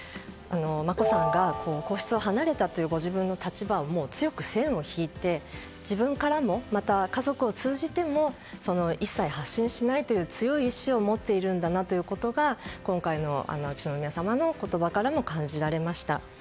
眞子さんが、皇室を離れたというご自分の立場を強く線を引いて自分からも、また家族を通じても一切発信しないという強い意志を持っているんだなということが今回の秋篠宮さまのお言葉からも感じられました。